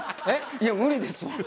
いや無理ですわ。